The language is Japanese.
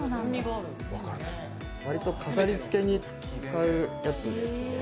割と飾りつけに使うやつですね。